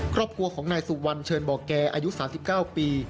ครอบครัวของนายสุวรรณเชิญบ่อแก่อายุ๓๙ปี